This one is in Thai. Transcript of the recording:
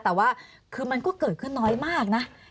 แต่ว่าคือมันก็เกิดขึ้นน้อยมากนะ